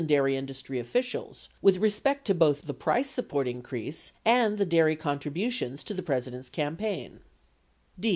667 dairy industry officials with respect to both the price support increase and the dairy contributions to the President's campaign.